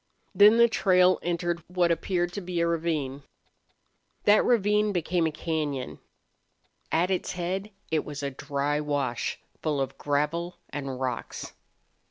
Then the trail entered what appeared to be a ravine. That ravine became a cañon. At its head it was a dry wash, full of gravel and rocks.